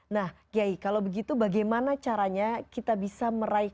nah kiai kalau begitu bagaimana caranya kita bisa meraih